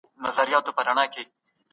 خوند اخلي.